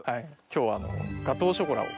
今日はガトーショコラを。